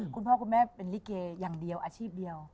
คุณพ่อคุณแม่เป็นลิเกอย่างเดียวอาชีพเดียว